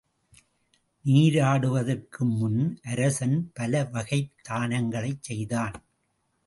நீராடுவதற்கு முன் அரசன் பலவகைத் தானங்களைச் செய்தான்.